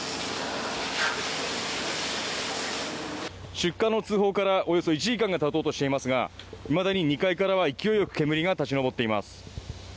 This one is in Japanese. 出火の通報からおよそ１時間が経とうとしていますがいまだに２階からは勢いよく煙が立ち上っています。